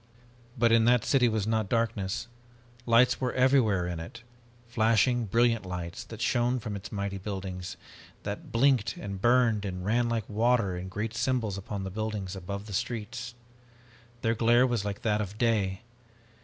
"But in that city was not darkness! Lights were everywhere in it, flashing brilliant lights that shone from its mighty buildings and that blinked and burned and ran like water in great symbols upon the buildings above the streets. Their glare was like that of day!